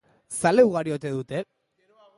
Zale ugari ote dute?